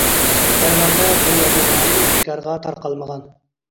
دەرۋەقە بۇ يەرنىڭ نامى بىكارغا تارقالمىغان.